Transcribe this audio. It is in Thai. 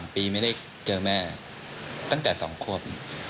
ปีไม่ได้เจอแม่ตั้งแต่๒ควบ